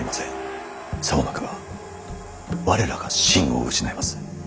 さもなくば我らが信を失います。